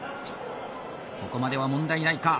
ここまでは問題ないか。